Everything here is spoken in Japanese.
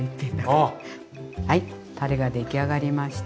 はいたれができあがりました。